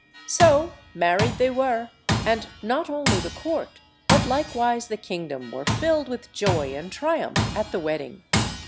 So married they were, and not only the court, but likewise the kingdom were filled with joy and triumph at the wedding.